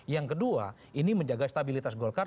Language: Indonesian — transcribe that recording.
yang kedua ini menjaga stabilitas golkar